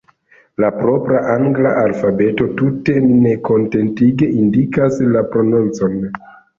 La propra angla alfabeto tute nekontentige indikas la prononcon.